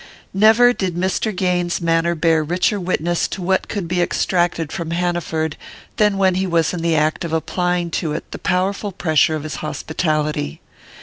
Never did Mr. Gaines's manner bear richer witness to what could be extracted from Hanaford than when he was in the act of applying to it the powerful pressure of his hospitality.